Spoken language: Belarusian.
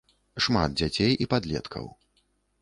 Шмат дзяцей і падлеткаў.